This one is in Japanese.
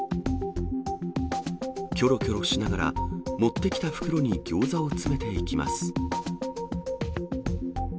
きょろきょろしながら、持ってきた袋にギョーザを詰めていきます。